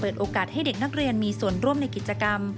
โอกาสให้เด็กนักเรียนมีส่วนร่วมในกิจกรรม